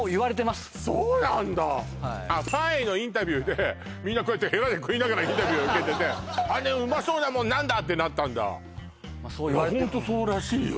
そうなんだはいファンへのインタビューでみんなヘラで食いながらインタビューを受けててあのうまそうなもの何だ？ってなったんだホントそうらしいよ